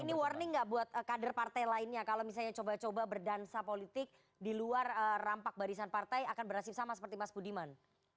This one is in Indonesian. ini warning nggak buat kader partai lainnya kalau misalnya coba coba berdansa politik di luar rampak barisan partai akan berhasil sama seperti mas budiman